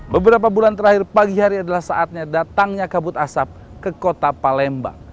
beberapa bulan terakhir pagi hari adalah saatnya datangnya kabut asap ke kota palembang